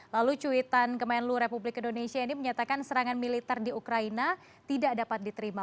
lalu cuitan kemenlu republik indonesia ini menyatakan serangan militer di ukraina tidak dapat diterima